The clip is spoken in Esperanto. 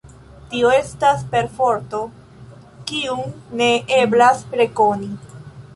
Tio estas perforto, kiun ne eblas rekoni.